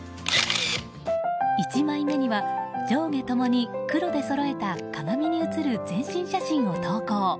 １枚目には上下ともに黒でそろえた鏡に映る全身写真を投稿。